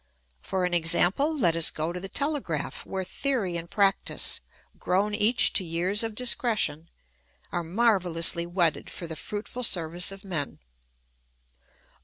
For an exa.mple let us go to the telegraph, where theory and 204 THE ETHICS OF BELH^F. practice, grown each to years of discretion, are mar vellously wedded for the fruitful service of men.